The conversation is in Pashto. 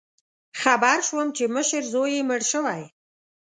خبر شوم چې مشر زوی یې مړ شوی